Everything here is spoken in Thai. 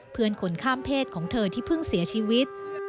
เพื่อนคนข้ามเพศของเธอที่เพิ่งเสียชีวิต